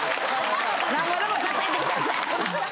・なんぼでも叩いてください。